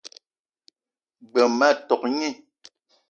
G-beu ma tok gni.